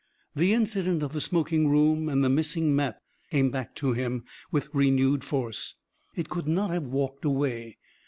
The incident of the smoking room and the missing map came back to him with renewed force. It could not have walked away.